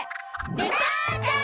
デパーチャー！